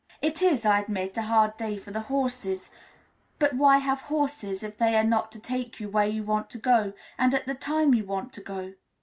It is, I admit, a hard day for the horses; but why have horses if they are not to take you where you want to go to, and at the time you want to go?